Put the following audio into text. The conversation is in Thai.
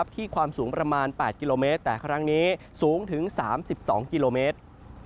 ความสูงประมาณ๘กิโลเมตรแต่ครั้งนี้สูงถึง๓๒กิโลเมตร